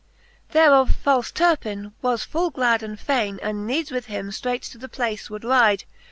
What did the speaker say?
~ XVII. Thereof falfe Ttirpin was full glad and faine, And needs with him ftreight to the place would ryde.